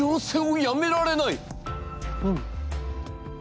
うん。